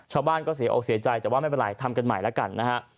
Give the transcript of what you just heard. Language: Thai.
ชาวบ้านก็เสียอกเสียใจแต่ว่าไม่เป็นไรทำกันใหม่แล้วกันนะฮะ